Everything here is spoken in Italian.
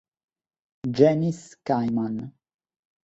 Janice Cayman